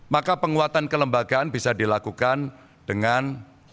maka penguatan kelembagaan bisa dilakukan dengan